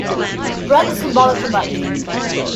Bread is symbolic for life.